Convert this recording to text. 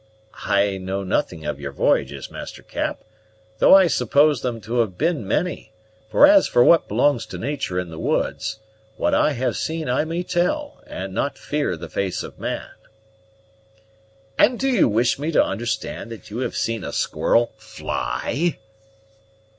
"I know nothing of your v'y'ges, Master Cap, though I suppose them to have been many; for as for what belongs to natur' in the woods, what I have seen I may tell, and not fear the face of man." "And do you wish me to understand that you have seen a squirrel fly?"